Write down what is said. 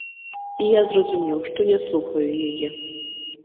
І я зразумеў, што не слухаю яе.